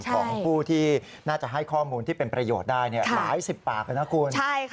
ของผู้ที่น่าจะให้ข้อมูลที่เป็นประโยชน์ได้หลายสิบปากเลยนะคุณ